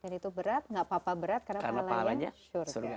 dan itu berat gak apa apa berat karena pahalanya surga